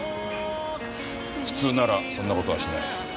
普通ならそんな事はしない。